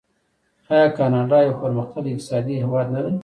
آیا کاناډا یو پرمختللی اقتصادي هیواد نه دی؟